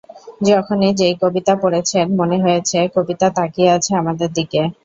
যখনই যেই কবিতা পড়েছেন মনে হয়েছে, কবিতা তাকিয়ে আছে আমাদের দিকে।